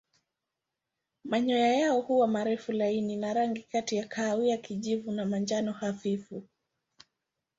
Manyoya yao huwa marefu laini na rangi kati ya kahawia kijivu na manjano hafifu.